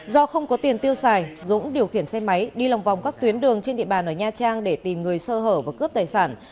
do không có tiền tiêu xài dũng điều khiển xe máy đi lòng vòng các tuyến đường trên địa bàn ở nha trang để tìm người sơ hở và cướp tài sản